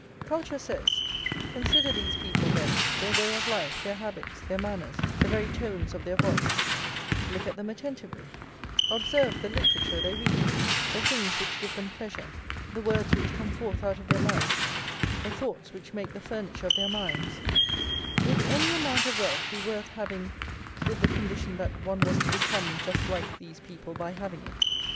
Culture says: "Consider these people, then, their way of life, their habits, their manners, the very tones of their voice; look at them attentively; observe the literature they read, the things which give them pleasure, the words which come forth out of their mouths, the thoughts which make the furniture of their minds; would any amount of wealth be worth having with the condition that one was to become just like these people by having it?"